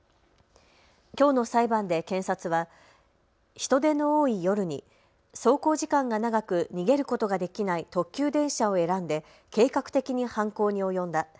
きょうの裁判で検察は人出の多い夜に走行時間が長く逃げることができない特急電車を選んで計画的に犯行に及んだ。